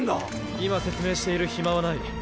今説明している暇はない。